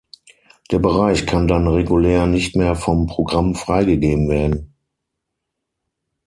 Der Bereich kann dann regulär nicht mehr vom Programm freigegeben werden.